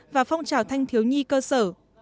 và phong trào thanh thiếu nhi cơ sở